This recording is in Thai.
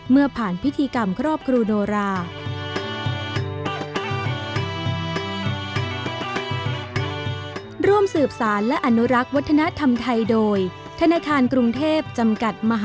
เมื่อผ่านพิธีกรรมครอบครูโนรา